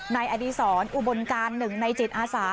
นายอดีศรอุบลการหนึ่งในจิตอาสา